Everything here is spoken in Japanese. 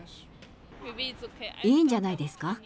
いいんじゃないですか。